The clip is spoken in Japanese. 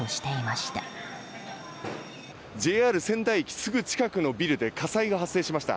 すぐ近くのビルで火災が発生しました。